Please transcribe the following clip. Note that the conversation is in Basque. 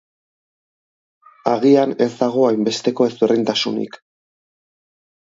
Agian ez dago hainbesteko ezberdintasunik.